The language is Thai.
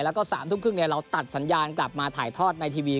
แล้วก็๓ทุ่มครึ่งเราตัดสัญญาณกลับมาถ่ายทอดในทีวี